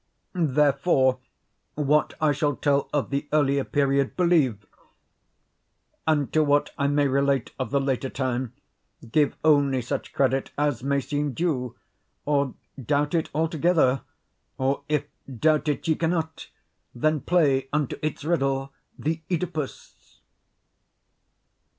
Therefore, what I shall tell of the earlier period, believe; and to what I may relate of the later time, give only such credit as may seem due, or doubt it altogether, or, if doubt it ye cannot, then play unto its riddle the Oedipus.